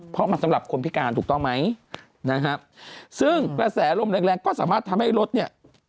เพราะมันสำหรับคนพิการถูกต้องไหมนะฮะซึ่งกระแสลมแรงแรงก็สามารถทำให้รถเนี่ย